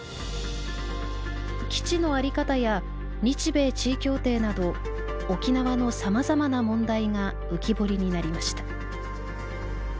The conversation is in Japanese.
基地の在り方や日米地位協定など沖縄のさまざまな問題が浮き彫りになりました。